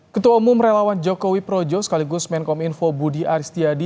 ketua umum relawan jokowi projo sekaligus menkom info budi aristiadi